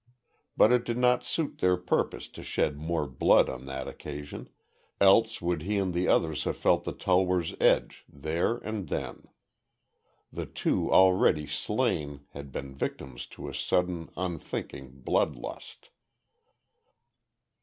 But it did not suit their purpose to shed more blood on that occasion, else would he and the others have felt the tulwar's edge there and then. The two already slain had been victims to a sudden, unthinking blood lust.